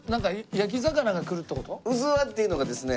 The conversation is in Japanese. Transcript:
うずわっていうのがですね